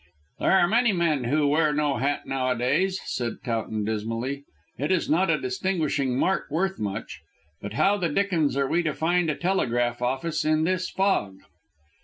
"There are many men who wear no hat nowadays," said Towton dismally, "it is not a distinguishing mark worth much. But how the dickens are we to find a telegraph office in this fog?"